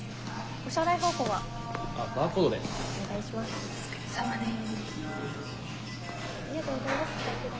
お疲れさまです。